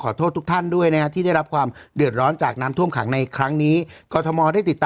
กลัวต่างต่างนั้นเนี่ย